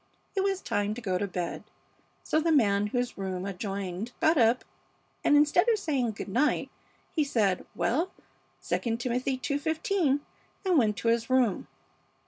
It was time to go to bed, so the man whose room adjoined got up and, instead of saying good night, he said, 'Well, II Timothy ii:15,' and went to his room.